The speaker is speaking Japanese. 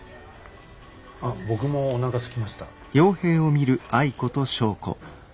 あっ僕もおなかすきました。